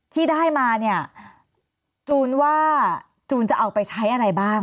ที่ได้มาเนี่ยจูนว่าจูนจะเอาไปใช้อะไรบ้าง